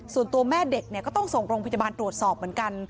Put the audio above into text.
ส่วนตัวแม่เด็กก็ต้องส่งโรงพยาบาลตรวจสอบเหมือนกัน